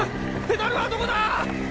ペダルはどこだ？